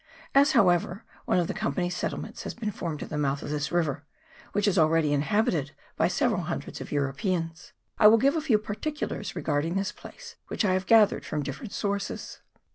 As, how ever, one of the Company's settlements has been formed at the mouth of this river, which is already inhabited by several hundreds of Europeans, I will give a few particulars regarding this place which I have gathered from different sources.